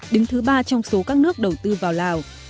đứng thứ ba trong số các nước đầu tư vào lào